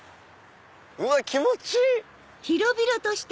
うわ気持ちいい！